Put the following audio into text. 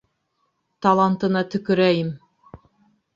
Талантына төкөрәйем!